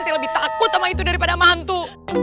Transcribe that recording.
saya lebih takut sama itu daripada sama hantu